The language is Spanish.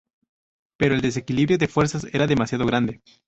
Pero, el desequilibrio de fuerzas era demasiado grande.